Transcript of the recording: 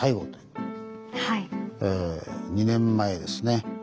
え２年前ですね